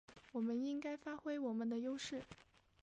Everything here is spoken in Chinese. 我们应该发挥我们的优势